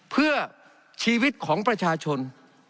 เพื่อชีวิตของประชาชน